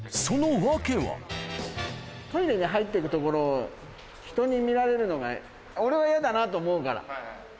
トイレに入ってるところを人に見られるのが、俺は嫌だなと思うから。